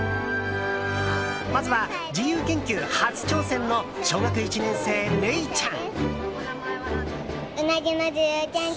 まずは自由研究初挑戦の小学１年生、怜ちゃん。